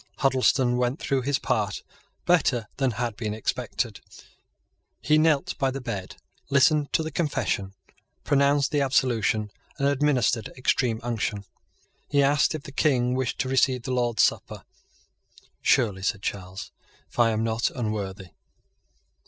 Huddleston went through his part better than had been expected. He knelt by the bed, listened to the confession, pronounced the absolution, and administered extreme unction. He asked if the King wished to receive the Lord's supper. "Surely," said Charles, "if I am not unworthy."